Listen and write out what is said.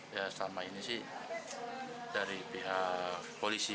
ya selama ini sih dari pihak polisi